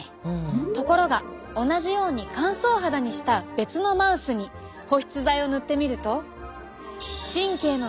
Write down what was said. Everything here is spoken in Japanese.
ところが同じように乾燥肌にした別のマウスに保湿剤を塗ってみると。